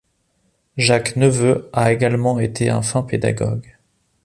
Jacques Neveu a également été un fin pédagogue.